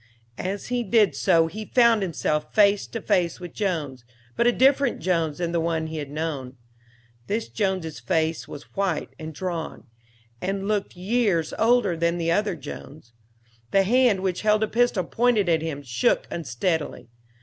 As he did so he found himself face to face with Jones, but a different Jones than the one he had known. This Jones' face was white and drawn, and looked years older than the other Jones. The hand which held a pistol pointed at him shook unsteadily.